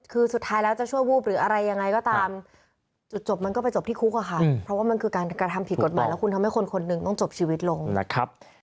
คือสุดท้ายแล้วจะชั่ววูบหรืออะไรยังไงก็ตามจุดจบมันก็ไปจบที่คุกอะค่ะเพราะว่ามันคือการกระทำผิดกฎหมายแล้วคุณทำให้คนคนหนึ่งต้องจบชีวิตลงนะครับ